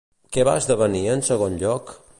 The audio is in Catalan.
Què va esdevenir en segon lloc?